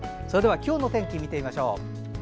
それでは今日の天気を見てみましょう。